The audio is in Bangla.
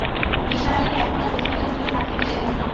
নিসার আলিকে এখন আর বিসমিল্লাহ হোটেলে ভাত খেতে যেতে হয় না।